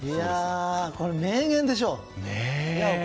これ、名言でしょう！